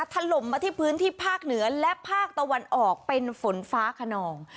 ถล่มมาที่พื้นที่ภาคเหนือและภาคตะวันออกเป็นฝนฟ้าขนอง